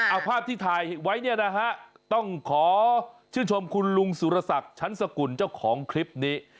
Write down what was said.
เอาภาพที่ถ่ายไว้เนี่ยนะฮะต้องขอชื่นชมคุณลุงสุรศักดิ์ชั้นสกุลเจ้าของคลิปนี้